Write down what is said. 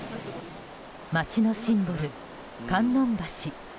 町のシンボル、観音橋。